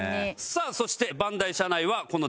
さあそして。